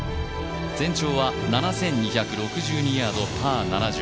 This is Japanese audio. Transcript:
全長は７２６２ヤードパー７０。